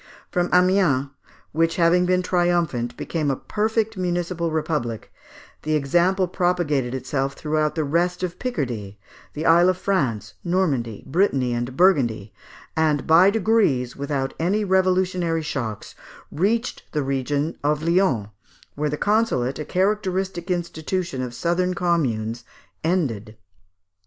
From Amiens, which, having been triumphant, became a perfect municipal republic, the example propagated itself throughout the rest of Picardy, the Isle of France, Normandy, Brittany, and Burgundy, and by degrees, without any revolutionary shocks, reached the region of Lyons, where the consulate, a characteristic institution of southern Communes, ended.